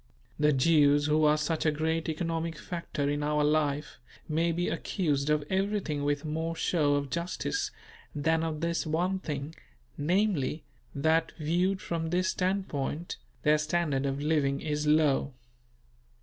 The Jews who are such a great economic factor in our life may be accused of everything with more show of justice than of this one thing; namely, that, viewed from this standpoint, their standard of living is low.